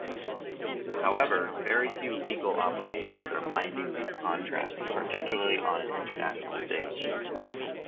However, very few legal obligations are binding these contracts, particularly on an international stage.